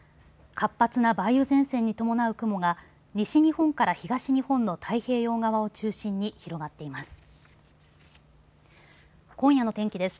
活発な梅雨前線に伴う雲が西日本から東日本の太平洋側を中心に広がっています。